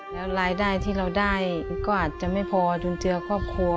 แล้วรายได้ที่เราได้ก็อาจจะไม่พอจุนเจือครอบครัว